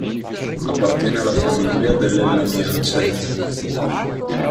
Appartiene alla famiglia delle Lamiaceae.